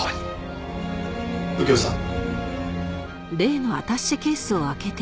右京さん。